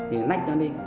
thì nách nó lên